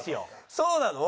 そうなの？